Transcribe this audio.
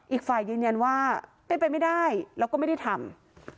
อีกฝ่ายยืนยันว่าเป็นไปไม่ได้แล้วก็ไม่ได้ทำ